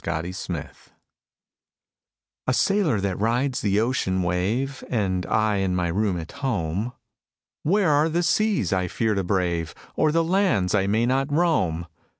THE SAILOR A sailor that rides the ocean wave, Am I in my room at home : Where are the seas I iear to brave. Or the lands I may not roam?